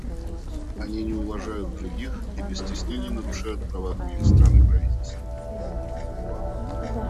Они не уважают других и без стеснений нарушают права других стран и правительств.